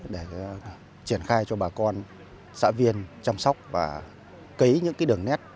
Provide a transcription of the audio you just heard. để triển khai cho bà con xã viên chăm sóc và cấy những đường nét